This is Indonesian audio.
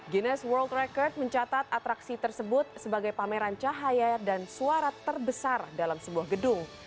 giness world record mencatat atraksi tersebut sebagai pameran cahaya dan suara terbesar dalam sebuah gedung